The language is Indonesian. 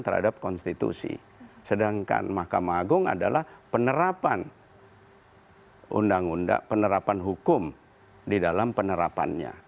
terhadap konstitusi sedangkan mahkamah agung adalah penerapan undang undang penerapan hukum di dalam penerapannya